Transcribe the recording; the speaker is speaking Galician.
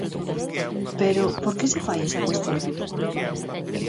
Pero ¿por que se fai esa cuestión?